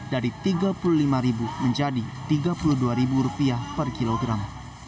dari tiga puluh lima menjadi tiga puluh dua rupiah per kilogram